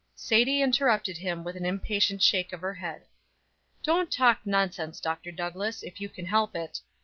Sadie interrupted him with an impatient shake of her head. "Don't talk nonsense, Dr. Douglass, if you can help it.